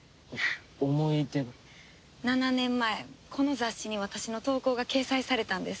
７年前この雑誌に私の投稿が掲載されたんです。